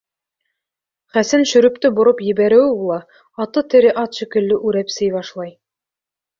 Хәсән шөрөптө бороп ебәреүе була, аты тере ат шикелле үрәпсей башлай.